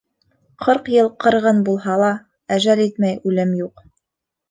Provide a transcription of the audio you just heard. Ҡырҡ йыл ҡырғын булһа ла, әжәл етмәй үлем юҡ.